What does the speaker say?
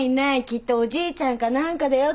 きっとおじいちゃんか何かだよ。